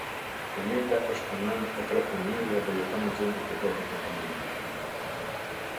E njëjta është nënë e tre fëmijëve dhe jeton në gjendje të dobët ekonomike.